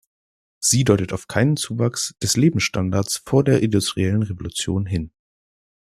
Sie deutet auf keinen Zuwachs des Lebensstandards vor der Industriellen Revolution hin.